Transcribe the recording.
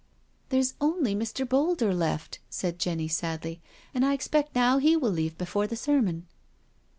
" There's only Mr. Boulder left," said Jenny sadly, " and I 'expect now he will leave before the sermon."